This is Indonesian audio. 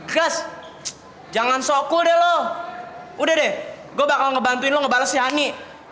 gas jangan sokul deh lo udah deh gue bakal ngebantuin lo ngebales si hani